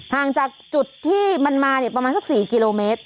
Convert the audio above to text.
ห่างจากจุดที่มันมาเนี่ยประมาณสัก๔กิโลเมตร